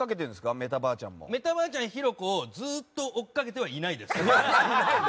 メタばあちゃん・ひろこをずっと追いかけてはいないです。